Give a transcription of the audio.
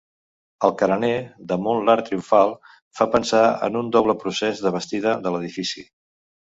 El carener, damunt l'arc triomfal, fa pensar en un doble procés de bastida de l'edifici.